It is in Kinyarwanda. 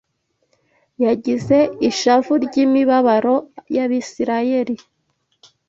yagize ishavu ry’imibabaro y’Abisirayeli